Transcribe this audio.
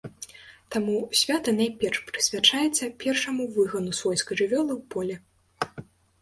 Таму свята найперш прысвячаецца першаму выгану свойскай жывёлы ў поле.